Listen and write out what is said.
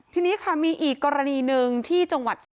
ทีนี้ค่ะมีอีกกรณีหนึ่งที่จังหวัด